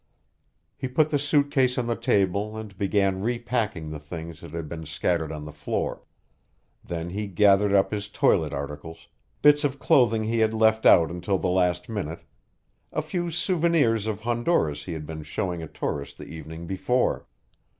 He put the suit case on the table and began repacking the things that had been scattered on the floor. Then he gathered up his toilet articles, bits of clothing he had left out until the last minute, a few souvenirs of Honduras he had been showing a tourist the evening before.